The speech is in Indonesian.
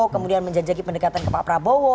kemudian menjajaki pendekatan ke pak prabowo